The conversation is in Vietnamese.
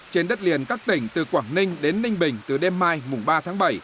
trên đất liền các tỉnh từ quảng ninh đến ninh bình từ đêm mai mùng ba tháng bảy